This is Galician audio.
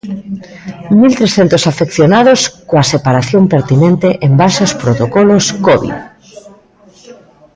Mil trescentos afeccionados coa separación pertinente en base aos protocolos Covid.